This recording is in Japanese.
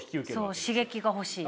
そう刺激が欲しい。